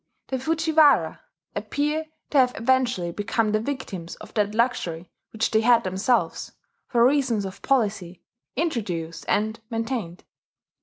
The Fujiwara appear to have eventually become the victims of that luxury which they had themselves, for reasons of policy, introduced and maintained.